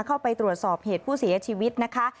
เข้าไปตรวจสอบเหตุผู้เสียชีวิตนะคะ